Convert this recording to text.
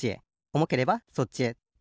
おもければそっちへ。